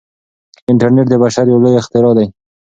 انټرنیټ د بشر یو لوی اختراع دی.